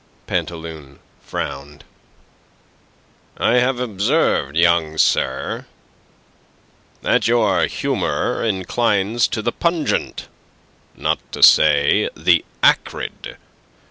Pantaloon frowned. "I have observed, young sir, that your humour inclines to the pungent, not to say the acrid.